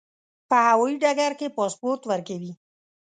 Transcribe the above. په هوایي ډګر کې پاسپورت ورکوي.